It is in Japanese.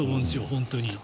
本当に。